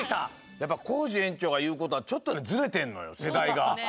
やっぱコージ園長がいうことはちょっとねずれてんのよせだいが。